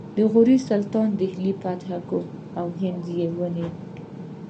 د غوري سلطنت د دهلي فتحه وکړه او هند یې ونیو